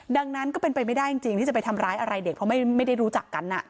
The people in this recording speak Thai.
ดังนั้นก็เป็นไปไม่ได้จริงที่จะไปทำร้ายอะไรเด็กเพราะไม่ได้รู้จักกัน